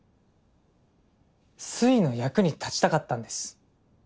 スイの役に立ちたかったんです。